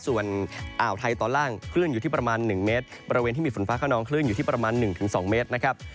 ส่วนอ่าวไทยตอนล่างคลื่นอยู่ที่ประมาณ๑เมตรบริเวณที่มีฝนฟ้าขนองคลื่นอยู่ที่ประมาณ๑๒เมตรนะครับ